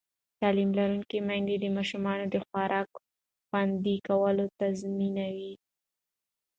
تعلیم لرونکې میندې د ماشومانو د خوراک خوندي کول تضمینوي.